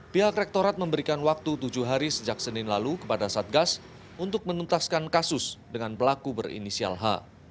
pihak rektorat memberikan waktu tujuh hari sejak senin lalu kepada satgas untuk menuntaskan kasus dengan pelaku berinisial h